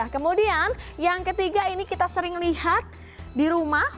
kemudian yang ketiga ini kita sering lihat di rumah